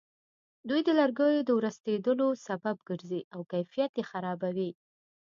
دوی د لرګیو د ورستېدلو سبب ګرځي او کیفیت یې خرابوي.